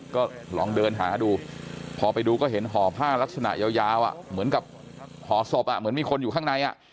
ก็ลองเดินหาดูพอไปดูก็เห็นห่อผ้าลักษณะยาวเหมือนกับห่อศพเหมือนมีคนอยู่ข้างใน